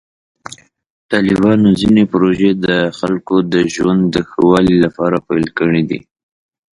طالبانو ځینې پروژې د خلکو د ژوند د ښه والي لپاره پیل کړې دي.